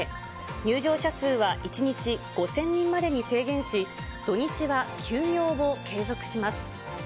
入場者数は１日５０００人までに制限し、土日は休業を継続します。